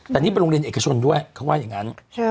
แต่นี่เป็นโรงเรียนเอกชนด้วยเขาว่าอย่างนั้น